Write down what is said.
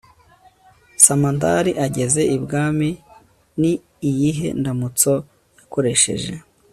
samandari ageze i bwami ni iyihe ndamutso yakoresheje